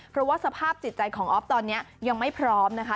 เพราะว่าสภาพจิตใจของออฟตอนนี้ยังไม่พร้อมนะคะ